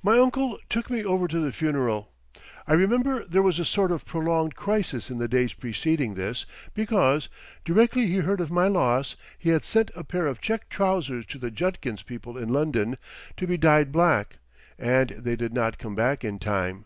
My uncle took me over to the funeral. I remember there was a sort of prolonged crisis in the days preceding this because, directly he heard of my loss, he had sent a pair of check trousers to the Judkins people in London to be dyed black, and they did not come back in time.